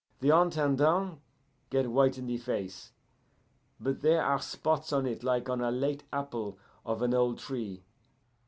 The Intendant get white in the face, but there are spots on it like on a late apple of an old tree.